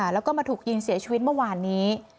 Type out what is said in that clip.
แล้วก็มาถูกยิงเสียชีวิตเมื่อวานนี้